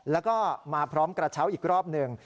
แล้วก็มาพร้อมกระเช้าอีกรอบหนึ่ง